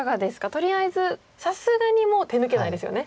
とりあえずさすがにもう手抜けないですよね。